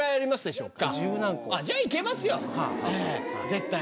じゃあ行けますよ絶対。